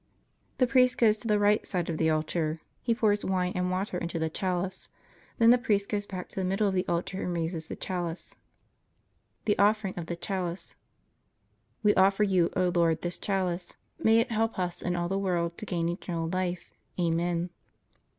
The priest goes to the right side of the altar. He pours wine and water into the chalice. Then the priest goes back to the middle of the altar and raises the chalice. THE OFFERING OF THE CHALICE *We offer You, O Lord, this chalice. May it help us and all the world to gain eternal life. Amen.